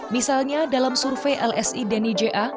misalnya dalam survei lsi denny ja